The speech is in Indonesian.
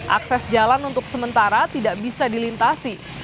akses jalan untuk sementara tidak bisa dilintasi